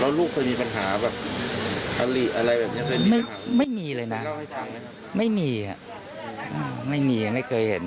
ลูกเคยมีปัญหาแบบอลิอะไรแบบนี้ไม่มีเลยนะไม่มีไม่มีไม่เคยเห็น